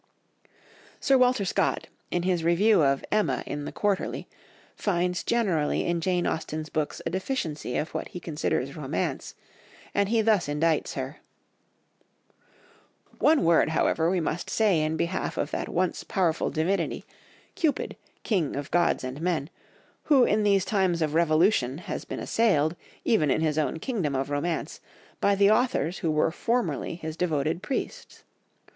Sir Walter Scott, in his review of Emma in the Quarterly, finds generally in Jane Austen's books a deficiency of what he considers romance, and he thus indicts her— "One word, however, we must say in behalf of that once powerful divinity, Cupid, king of gods and men, who in these times of revolution, has been assailed, even in his own kingdom of romance, by the authors who were formerly his devoted priests.